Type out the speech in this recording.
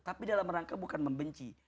tapi dalam rangka bukan membenci